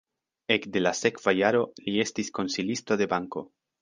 Ekde la sekva jaro li estis konsilisto de banko.